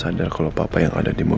saya akan partaikan rumah ini